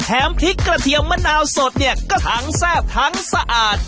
พริกกระเทียมมะนาวสดเนี่ยก็ทั้งแซ่บทั้งสะอาด